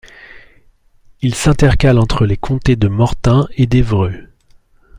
Il s'intercale entre les comtés de Mortain et d'Évreux.